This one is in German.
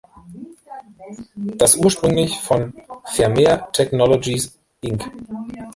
Das ursprünglich von "Vermeer Technologies Inc.